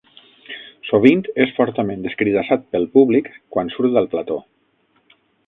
Sovint és fortament escridassat pel públic quan surt al plató.